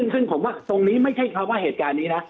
ซึ่งผมว่าตรงนี้ไม่ใช่คำว่าเหตุการณ์นี้นะ